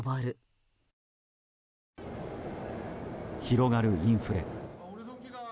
広がるインフレ。